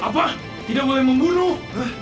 apa tidak boleh membunuh